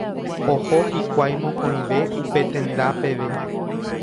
Oho hikuái mokõive upe tenda peve.